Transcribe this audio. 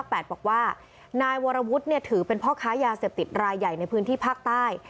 ปรปศภ๘บอกว่านายวรวุฒินี่ถือเป็นเพราะข้ายาเสพติดรายใหญ่ในพื้นที่ภาคใต้